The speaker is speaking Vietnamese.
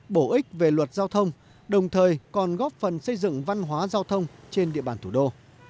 bổ ích về luật giao thông đồng thời còn góp phần xây dựng văn hóa giao thông trên địa bàn thủ đô